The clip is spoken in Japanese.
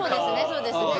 そうですね